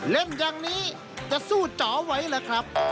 เล่นอย่างนี้จะสู้จ๋อไว้ล่ะครับ